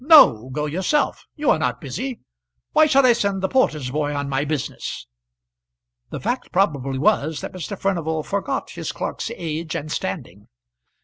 no; go yourself; you are not busy. Why should I send the porter's boy on my business?" The fact probably was, that Mr. Furnival forgot his clerk's age and standing.